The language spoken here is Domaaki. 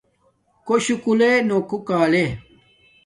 کݸ شُکُلݺ نݸ کݸ کݳلݺ.